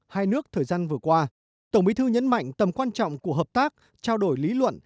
hai nước thời gian vừa qua tổng bí thư nhấn mạnh tầm quan trọng của hợp tác trao đổi lý luận